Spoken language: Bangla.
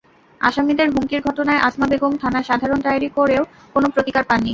আসামিদের হুমকির ঘটনায় আছমা বেগম থানায় সাধারণ ডায়েরি করেও কোনো প্রতিকার পাননি।